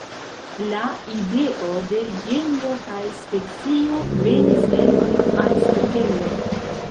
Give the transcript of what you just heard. La ideo de genro kaj specio venis el Aristotelo.